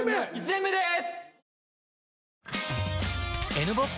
１年目です。